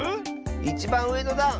いちばんうえのだん！